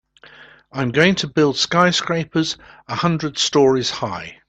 I'm going to build skyscrapers a hundred stories high.